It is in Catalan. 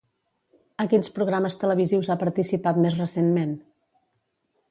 A quins programes televisius ha participat més recentment?